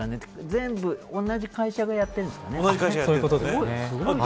全部、同じ会社がやっているんですね。